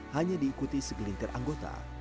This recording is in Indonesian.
hanya diikuti segelintir anggota